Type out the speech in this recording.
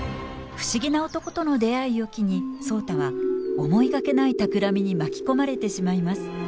不思議な男との出会いを機に壮多は思いがけないたくらみに巻き込まれてしまいます。